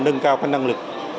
nâng cao các năng lực